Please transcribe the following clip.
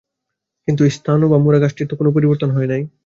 কিন্তু এই স্থাণু বা মুড়া গাছটির তো কোন পরিবর্তন হয় নাই।